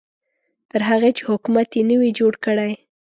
تر هغې چې حکومت یې نه وي جوړ کړی.